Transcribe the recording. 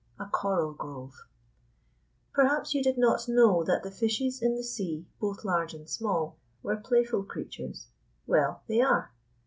A CORAL GROVE Perhaps you did not know that the fishes in the sea, both large and small, were playful creatures. Well, they are.